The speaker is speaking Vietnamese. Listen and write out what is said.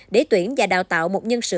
để tuyển và đào tạo một nhân sự